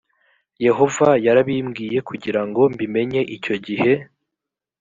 yehova yarabimbwiye kugira ngo mbimenye icyo gihe